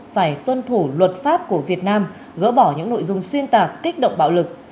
phải tuân thủ luật pháp của việt nam gỡ bỏ những nội dung xuyên tạc kích động bạo lực